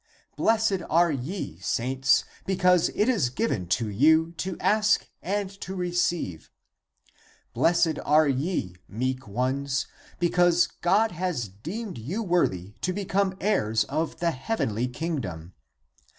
Blessed are ye, saints, because it is given to you to ask and to receive. Blessed are ye, meek ones, because God has deemed you worthy to become heirs of the heavenly kingdom.